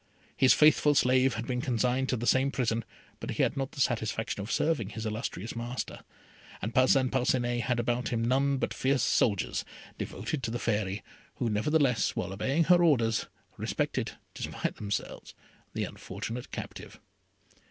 His faithful slave had been consigned to the same prison, but he had not the satisfaction of serving his illustrious master, and Parcin Parcinet had about him none but fierce soldiers, devoted to the Fairy, who nevertheless, while obeying her orders, respected, despite themselves, the unfortunate captive.